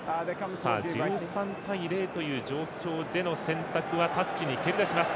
１３対０という状況での選択はタッチに蹴り出します。